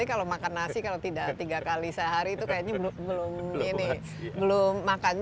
dan kalau makan nasi kalau tidak tiga kali sehari itu kayaknya belum makan